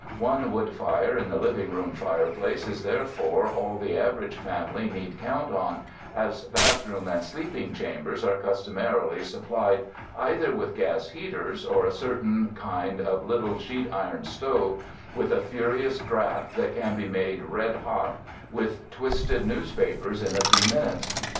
One wood fire in the living room fireplace is, therefore, all the average family need count on, as bathroom and sleeping chambers are customarily supplied either with gas heaters, or a certain kind of little sheet iron stove with a furious draught, that can be made red hot with twisted 241 UNDER THE SKY IN CALIFORNIA newspapers in a few minutes.